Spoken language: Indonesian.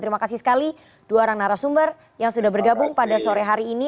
terima kasih sekali dua orang narasumber yang sudah bergabung pada sore hari ini